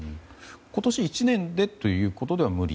今年１年でということでは無理？